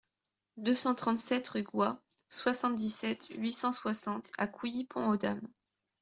deux cent trente-sept rue Gouas, soixante-dix-sept, huit cent soixante à Couilly-Pont-aux-Dames